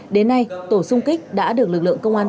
đến nay tổ xung kích đã được lực lượng công an xã